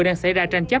đang xảy ra tranh chấp